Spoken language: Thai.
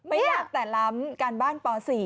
ไม่ยากแต่ล้ำการบ้านป๔